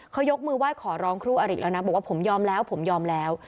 เขายกมือไหว้ขอร้องครูอริแล้วนะบอกว่าผมยอมแล้วผมยอมแล้ว